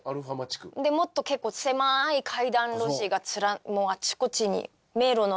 もっと結構狭い階段路地がもうあちこちに迷路のように。